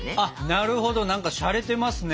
なるほど何かしゃれてますね